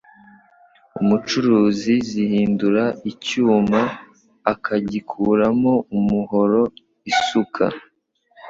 umucuzi zihindura icyuma akagikuramo umuhoro, isuka.